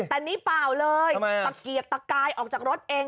แต่นี่เปล่าเลยตะเกียกตะกายออกจากรถเอง